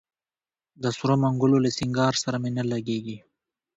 د سرو منګولو له سینګار سره مي نه لګیږي